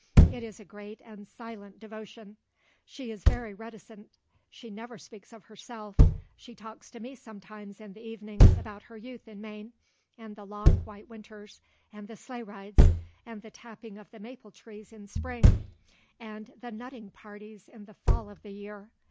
It is a great and silent devotion. She is very reticent. She never speaks of herself. She talks to me sometimes in the evenings about her youth in Maine, and the long white winters and the sleigh rides; and the tapping of the maple trees in Spring; and the nutting parties in the fall of the year.